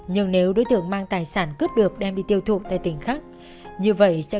nhưng nếu đối tượng mang tài sản cướp được đem đi tiêu thụ tại tỉnh khác như vậy sẽ